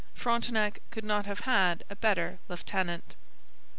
Frontenac could not have had a better lieutenant.